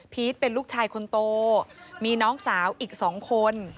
เป็นลูกชายคนโตมีน้องสาวอีก๒คน